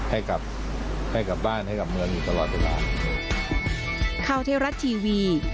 ให้กับบ้านให้กับเมืองอยู่ตลอดอยู่แล้ว